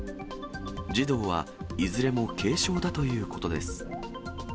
児童はいずれも軽症だということです。